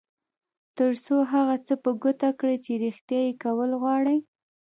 تر څو هغه څه په ګوته کړئ چې رېښتيا یې کول غواړئ.